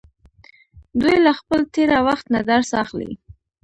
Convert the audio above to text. دوی له خپل تیره وخت نه درس اخلي.